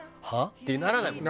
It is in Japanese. ってならないもんね。